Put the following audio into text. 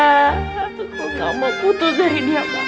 aku gak mau putus dari dia pak